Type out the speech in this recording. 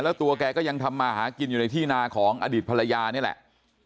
แล้วตัวแกก็ยังทำมาหากินอยู่ในที่นาของอดีตภรรยานี่แหละ